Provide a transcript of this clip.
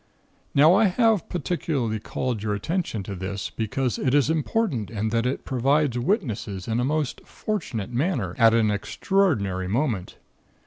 "Now I have particularly called your attention to this because it is important in that it provides witnesses in a most fortunate manner at an extraordinary moment.